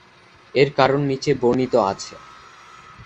এর কারণ নিচে বর্ণিত আছে।